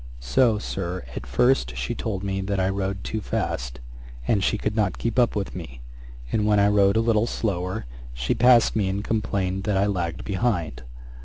So, Sir, at first she told me that I rode too fast, and she could not keep up with me; and, when I rode a little slower, she passed me, and complained that I lagged behind.